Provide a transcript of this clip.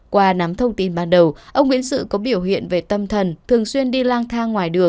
qua nắm thông tin ban đầu ông nguyễn sự có biểu hiện về tâm thần